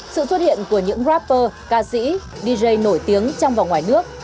sự xuất hiện của những rapper ca sĩ dj nổi tiếng trong và ngoài nước